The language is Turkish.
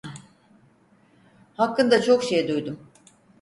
Hakkında çok şey duydum.